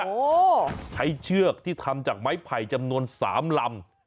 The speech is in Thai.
โอ้โหใช้เชือกที่ทำจากไม้ไผ่จำนวน๓ลำ